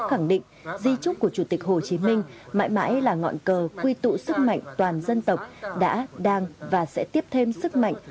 khẳng định di trúc của chủ tịch hồ chí minh mãi mãi là ngọn cờ quy tụ sức mạnh toàn dân tộc đã đang và sẽ tiếp thêm sức mạnh